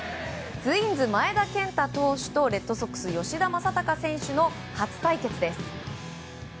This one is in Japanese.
ツインズ、前田健太投手とレッドソックス、吉田正尚選手の初対決です。